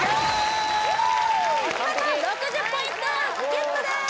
お見事６０ポイントゲットです